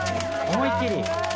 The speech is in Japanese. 思いっきり！